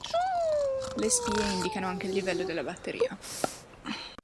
Le spie indicano anche il livello della batteria.